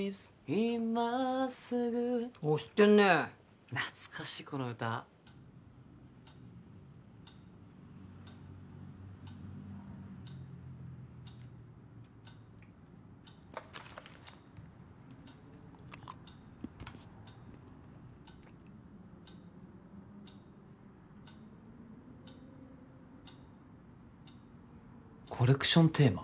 今すぐおお知ってんね懐かしいこの歌コレクションテーマ？